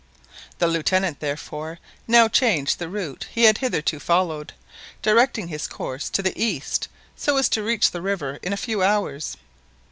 The Lieutenant, therefore, now changed the route he had hitherto followed, directing his course to the east, so as to reach the river in a few hours.